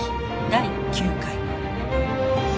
第９回。